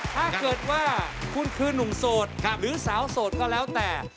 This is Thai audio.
ถ้าเกิดว่าคุณคือนุ่มโสดหรือสาวโสดก็แล้วแต่